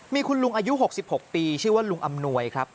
มีคุณลุงอายุ๖๖ปีชื่อว่าลุงอำนวยครับ